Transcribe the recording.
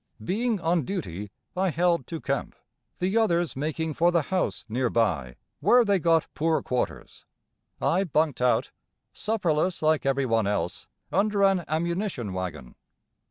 Being on duty I held to camp, the others making for the house nearby where they got poor quarters. I bunked out, supperless like every one else, under an ammunition wagon.